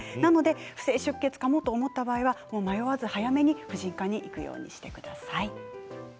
不正出血かなと思ったら迷わず早めに婦人科に行くようにしてください。